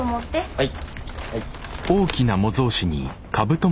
はい。